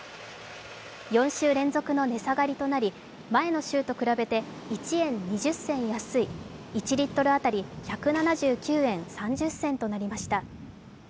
４週連続の値下がりとなり、前の週と比べて１円２０銭安い１リットル当たり１７９円３０銭となりました。